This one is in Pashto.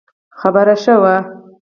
خبر ښه وو